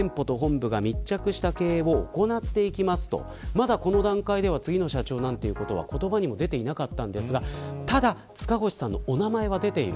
まだこの段階では次の社長なんていうことは言葉にも出ていなかったんですがただ、塚越さんのお名前は出ている。